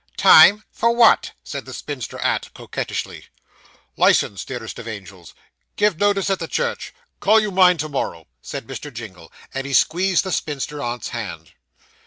'Time for what?' said the spinster aunt coquettishly. 'Licence, dearest of angels give notice at the church call you mine, to morrow' said Mr. Jingle, and he squeezed the spinster aunt's hand.